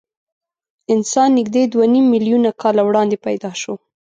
انسان نږدې دوه نیم میلیونه کاله وړاندې پیدا شو.